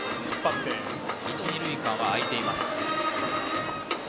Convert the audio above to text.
一、二塁間は空いています。